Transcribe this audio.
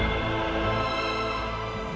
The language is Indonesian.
dan aku juga berharap